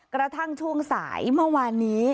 กระทั่งช่วงสายเมื่อวานนี้